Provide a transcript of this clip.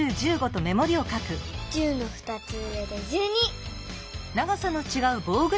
１０の２つ上で１２！